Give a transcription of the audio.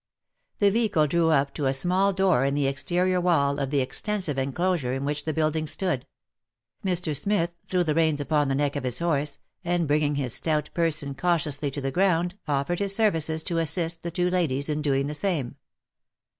The vehicle drew up to a small door in the exterior wall of the extensive enclosure in which the buildings stood ; Mr. Smith threw the reins upon the neck of his horse, and bringing his stout person cau tiously to the ground, offered his services to assist the two ladies in doing the same.